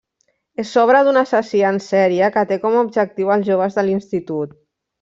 És obra d'un assassí en sèrie que té com a objectiu els joves de l'institut.